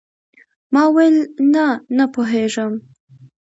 ما وويل نه نه پوهېږم.